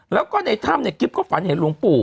แล้วก็ในถ้ำในคลิปก็ฝันเห็นหลวงปู่